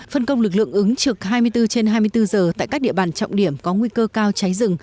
phân công lực lượng ứng trực hai mươi bốn trên hai mươi bốn giờ tại các địa bàn trọng điểm có nguy cơ cao cháy rừng